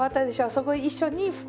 そこ一緒に拭く。